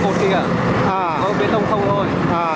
có cái bến đông không thôi